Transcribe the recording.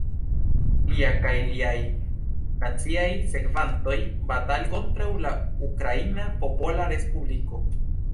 Lia kaj liaj naciaj sekvantoj batalis kontraŭ la Ukraina Popola Respubliko.